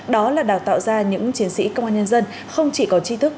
đó là đào tạo ra những chiến sĩ công an nhân dân không chỉ có chi thức